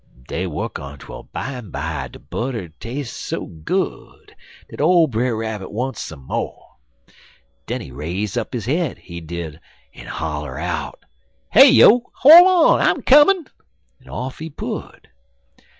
"Dey wuk on twel bimeby de butter tas'e so good dat ole Brer Rabbit want some mo'. Den he raise up his head, he did, en holler out: "'Heyo! Hol' on! I'm a comin'!' en off he put.